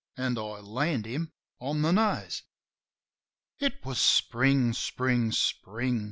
An' I land him on the nose. It was Spring, Spring, Spring!